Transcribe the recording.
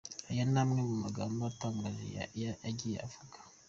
Aya ni amwe mu magambo atangaje yagiye avuga:.